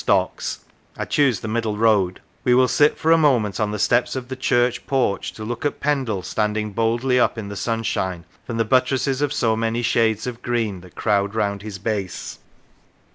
The Rivers its quaint old stocks (I choose the middle road) we will sit for a moment on the steps of the church porch to look at Pendle standing boldly up in the sunshine from the buttresses of so many shades of green that crowd round his base.